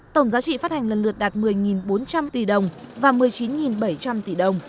tổng giá trị phát hành lần lượt đạt một mươi bốn trăm linh tỷ đồng và một mươi chín bảy trăm linh tỷ đồng